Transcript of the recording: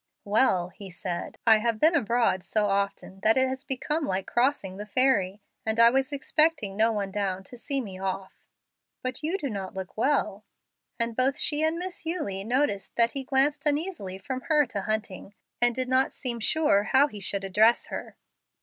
"Well," he said, "I have been abroad so often that it has become like crossing the ferry, and I was expecting no one down to see me off. But you do not look well;" and both she and Miss Eulie noticed that he glanced uneasily from her to Hunting, and did not seem sure how he should address her.